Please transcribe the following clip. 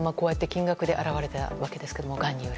金額で表れたわけですが。